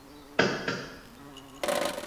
د نفس جهاد د مېړنیو کسانو کار دی.